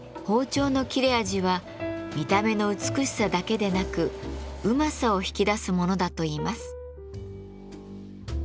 包丁の切れ味は見た目の美しさだけでなく旨さを引き出すものだといいます。